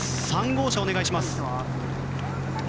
３号車、お願いします。